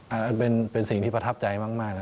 อันนี้เป็นสิ่งที่ประทับใจมาก